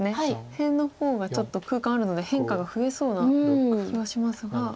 辺の方がちょっと空間あるので変化が増えそうな気はしますが。